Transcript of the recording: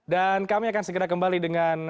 dan kami akan segera kembali dengan